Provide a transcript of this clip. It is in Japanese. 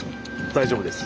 大丈夫です。